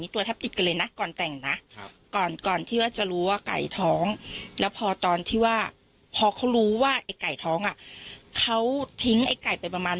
อีกตัวซักวันเลยนะก่อนแต่งนะครับก่อนฟี่ทะเลว่าไก่ท้องและพอตอนที่ว่าของรู้ว่าไก่ฐ้องอ่ะ